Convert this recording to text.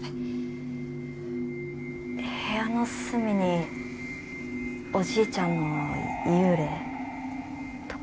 部屋の隅におじいちゃんの幽霊とか？